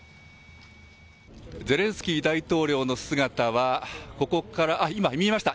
ゼレンスキー大統領の姿は、ここから、今、見えました、